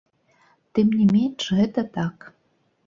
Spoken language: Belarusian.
Тым не менш, гэта так.